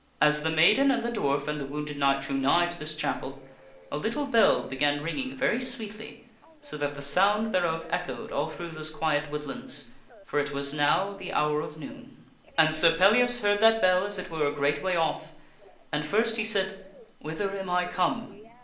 As the maiden and the dwarf and the wounded knight drew nigh to this chapel, a little bell began ringing very sweetly so that the sound thereof echoed all through those quiet woodlands, for it was now the hour of noon. And Sir Pellias heard that bell as it were a great way off, and first he said, "Whither am I come?"